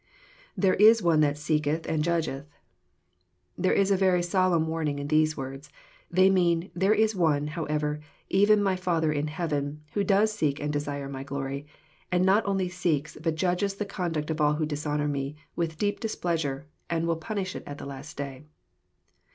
[ There is one that seeketh and judgeth.] There is a very solemn warning in these words. They mean, " There is One, however, even my Father in heaven, who does seek and desire my glory ; and not only seeks, but judges the conduct of all who dishonour Me, with deep displeasure, and will punish it at the last day."